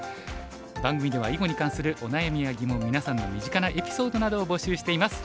番組では囲碁に関するお悩みや疑問みなさんの身近なエピソードなどを募集しています。